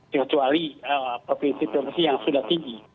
kecuali provinsi provinsi yang sudah tinggi